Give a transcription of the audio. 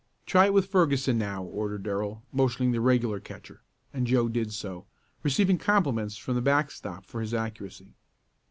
"Try it with Ferguson now," ordered Darrell, motioning to the regular catcher, and Joe did so, receiving compliments from the backstop for his accuracy.